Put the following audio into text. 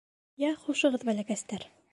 — Йә, хушығыҙ, бәләкәстәр.